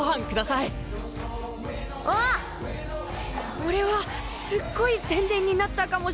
これはすっごい宣伝になったかもしれないぞ。